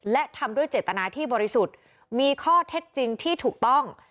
และทำด้วยเจตนาที่บริสุทธิ์มีข้อเท็จจริงที่ถูกต้อง